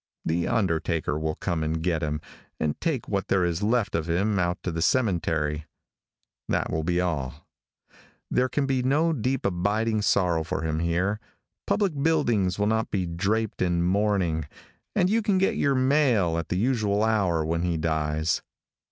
The undertaker will come and get him and take what there is left of him out to the cemetery. That will be all. There can be no deep abiding sorrow for him here; public buildings will not be draped in mourning, and you can get your mail at the usual hour when he dies.